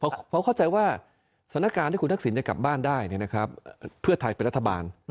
เพราะเข้าใจว่าสถานการณ์ที่คุณทักษิณจะกลับบ้านได้เพื่อไทยเป็นรัฐบาล